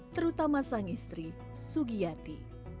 terutama sang istri sugiyati